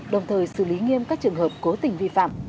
đồng thời xử lý nghiêm các trường hợp cố tình vi phạm